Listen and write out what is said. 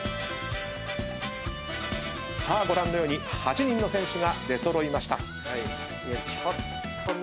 さあご覧のように８人の選手が出揃いました。